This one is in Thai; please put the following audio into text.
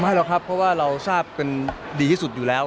หรอกครับเพราะว่าเราทราบกันดีที่สุดอยู่แล้ว